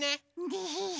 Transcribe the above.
デヘヘ。